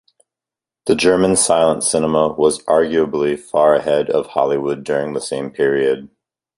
The German silent cinema was arguably far ahead of Hollywood during the same period.